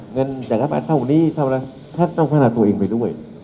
เงินอย่างนั้นเท่านี้เท่านั้นเท่านั้นต้องขนาดตัวเองไปด้วย